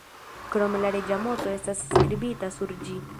Krome la reĝa moto estas skribita sur ĝi.